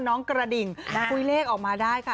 น้องกระดิ่งคุยเลขออกมาได้ค่ะ